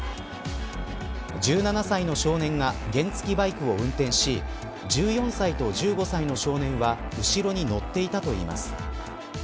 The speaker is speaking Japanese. １７歳の少年が原付バイクを運転し１４歳と１５歳の少年は後ろに乗っていたといいます。